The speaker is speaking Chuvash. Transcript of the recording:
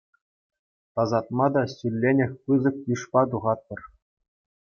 Тасатма та ҫулленех пысӑк йышпа тухатпӑр.